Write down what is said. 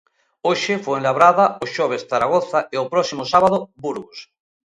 Hoxe, Fuenlabrada, o xoves Zaragoza e o próximo sábado Burgos.